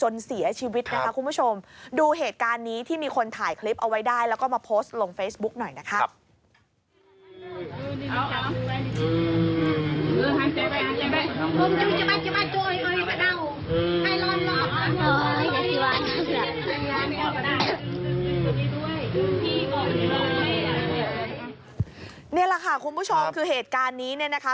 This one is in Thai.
นี่แหละค่ะคุณผู้ชมคือเหตุการณ์นี้นะคะ